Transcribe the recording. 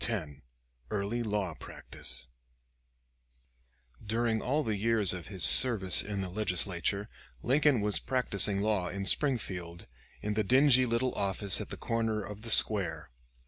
CHAPTER X EARLY LAW PRACTICE During all the years of his service in the Legislature, Lincoln was practicing law in Springfield in the dingy little office at the corner of the square.